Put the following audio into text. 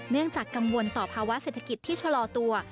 จากกังวลต่อภาวะเศรษฐกิจที่ชะลอตัว